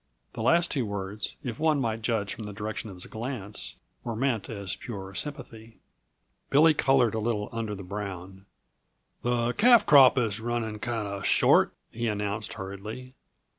The last two words, if one might judge from the direction of his glance, were meant as pure sympathy. Billy colored a little under the brown. "The calf crop is running kinda short," he announced hurriedly.